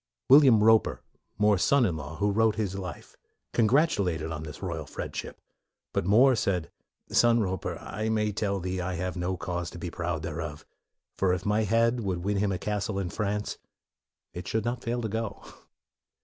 William Roper, More's son in law, who wrote his life, congratulated him on this royal friendship. But More said, " Son Roper, I may tell thee I have no cause to be proud thereof; for if my head would win him a castle in France, it should not fail to go."